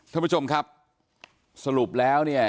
ท่านผู้ชมครับสรุปแล้วเนี่ย